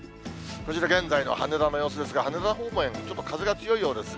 こちらが現在の羽田の様子ですが、羽田方面、ちょっと風が強いようですね。